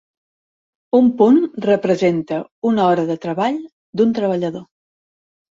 Un punt representa una hora de treball d'un treballador.